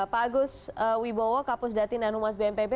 pak agus wibowo kapus datin dan humas bnpb